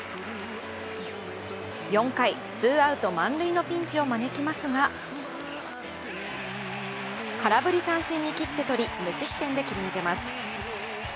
４回、ツーアウト満塁のピンチを招きますが空振り三振に切って取り、無失点で切り抜けます。